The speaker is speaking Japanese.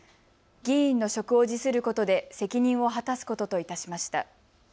議員の職を辞することで責任を果たすことといたしました。